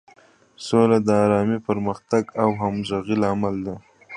سوله د ارامۍ، پرمختګ او همغږۍ لامل ده.